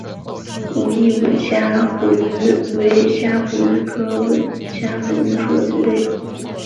武义吻虾虎鱼为虾虎鱼科吻虾虎鱼属的鱼类。